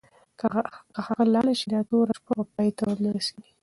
که هغه لاړه شي، دا توره شپه به پای ته ونه رسېږي.